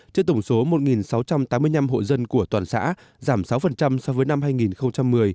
trên tổng số một sáu trăm tám mươi năm hộ dân của toàn xã giảm sáu so với năm hai nghìn một mươi